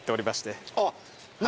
あっ何？